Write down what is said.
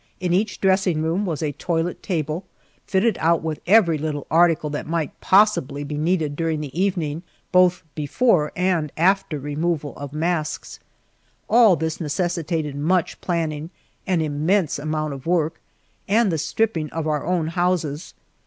In each dressing room was a toilet table fitted out with every little article that might possibly be needed during the evening, both before and after the removal of masks. All this necessitated much planning, an immense amount of work, and the stripping of our own houses.